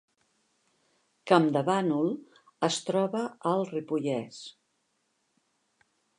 Campdevànol es troba al Ripollès